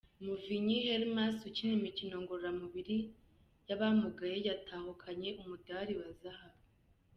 Muvinyi Hermas ukina imikino ngororamubiri y’abamugaye yatahukanye umudali wa Zahabu.